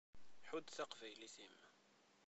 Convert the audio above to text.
Ḥudd taqbaylit-im.